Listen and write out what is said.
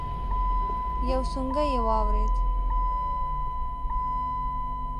يو سونګی يې واورېد.